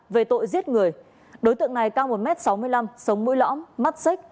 về tội giết người đối tượng này cao một m sáu mươi năm sống mũi lõm mắt xích